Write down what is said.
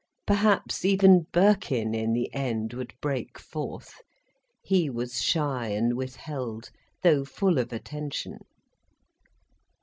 Perhaps even Birkin, in the end, would break forth. He was shy and withheld, though full of attention.